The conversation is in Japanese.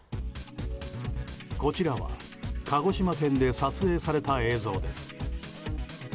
こちらは鹿児島県で撮影された映像です。